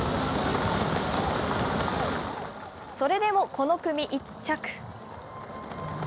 それでもこの組１着。